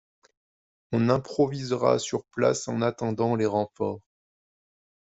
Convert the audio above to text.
On improvisera sur place en attendant les renforts.